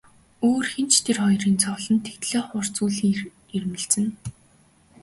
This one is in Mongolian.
Өөр хэн ч тэр хоёрын зовлонд тэгтлээ хурц үл эмзэглэнэ.